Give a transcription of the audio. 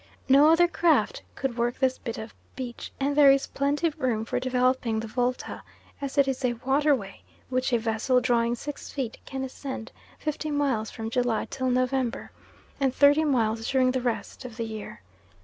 No other craft could work this bit of beach; and there is plenty of room for developing the Volta, as it is a waterway which a vessel drawing six feet can ascend fifty miles from July till November, and thirty miles during the rest of the year.